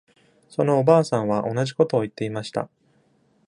そのおばあさんは同じことを言っていました。